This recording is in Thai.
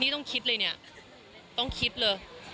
นี่ต้องคิดเลยเนี่ยต้องคิดเลย